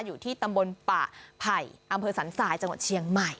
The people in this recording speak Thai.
อยู่ที่ตำบลป่าไผ่อำเภอสันทรายจังหวัดเชียงใหม่